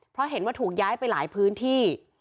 เพราะเห็นว่าถูกย้ายไปหลายพื้นที่